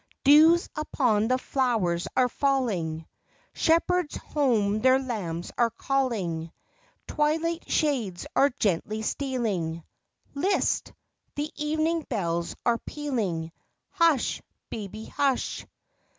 Dews upon the flowers are falling; Shepherds home their lambs are calling; Twilight shades are gently stealing List! the evening bells are pealing; Hush, baby hush!